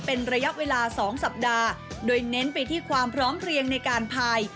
เป็นระยะเวลา๒สัปดาห์โดยเน้นไปที่ความพร้อมเรียงในการพาย